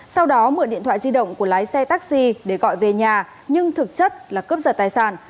sau đó mượn điện thoại di động của lái xe taxi để gọi về nhà nhưng thực chất là cướp giật tài sản